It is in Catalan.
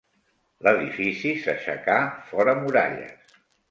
L'edifici s'aixecà fora muralles.